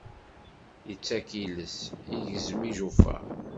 Yettak iles, igezzem ijufaṛ.